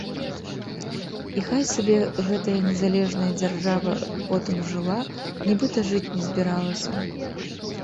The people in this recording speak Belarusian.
І хай сабе гэтая незалежная дзяржава потым жыла, нібыта жыць не збіралася.